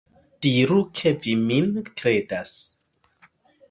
Diru ke vi min kredas.